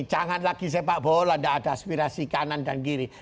jangan lagi sepak bola tidak ada aspirasi kanan dan kiri